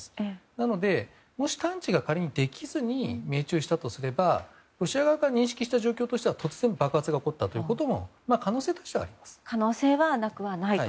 なので、仮に探知ができずに命中したとすればロシア側が認識した状況としては突然爆発が起こったということも可能性としてはあります。